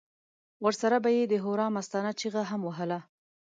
ورسره به یې د هورا مستانه چیغه هم وهله.